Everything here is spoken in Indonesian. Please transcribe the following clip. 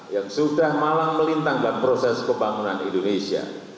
yang sudah malang melintangkan proses pembangunan indonesia